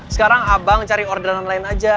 sekarang abang cari orderan lain aja